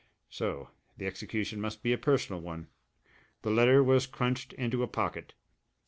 So the execution must be a personal one! The letter was crunched into a pocket.